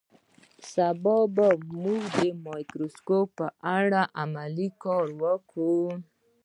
سبا به موږ د مایکروسکوپ په اړه عملي کار وکړو